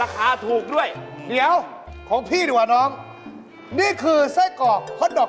ขายเกลียดกระเป๋าอีกแล้ว